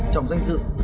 trọng danh dự